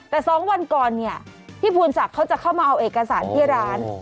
แต่๒วันก่อนเนี่ยพี่ภูนศักดิ์เขาจะเข้ามาเอาเอกสารที่ร้าน